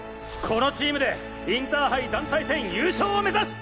このチームでインターハイ団体戦優勝を目指す！